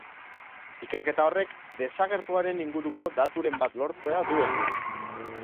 Ikerketa horrek desagertuaren inguruko daturen bat lortzea du helburu.